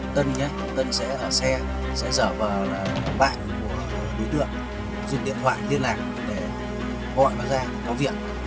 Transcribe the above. tân tân sẽ ở xe sẽ dở vào bạn của đối tượng dùng điện thoại liên lạc để gọi nó ra nói viện